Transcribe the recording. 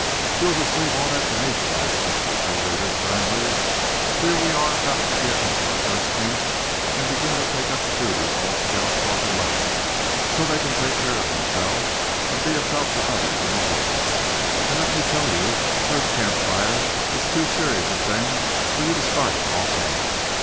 "You'll just leave all that to me, Giraffe," said the patrol leader, sternly. "Here we are about to get into our first camp, and begin to take up the duties all scouts ought to learn, so they can take care of themselves, and be of help to others in the woods. And let me tell you, the first camp fire is too serious a thing for you to start it off hand.